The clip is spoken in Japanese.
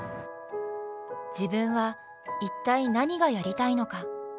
自分は一体何がやりたいのか。